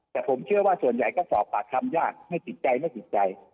แต่ผมเชื่อว่าส่วนใหญ่ก็สอบปากคำญาติไม่ติดใจไม่ติดใจ